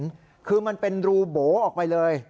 คือมันเป็นรูโบออกไปเลย